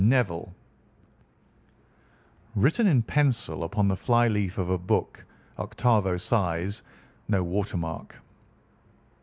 —NEVILLE.' Written in pencil upon the fly leaf of a book, octavo size, no water mark.